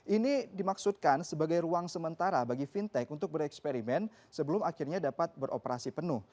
ini dimaksudkan sebagai ruang sementara bagi fintech untuk bereksperimen sebelum akhirnya dapat beroperasi penuh